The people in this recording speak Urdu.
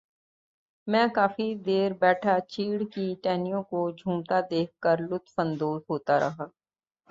میں کافی دیر بیٹھا چیڑ کی ٹہنیوں کو جھومتا دیکھ کر لطف اندوز ہوتا رہا